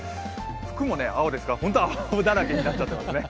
服も青ですから、ホント青だらけになっちゃってますね。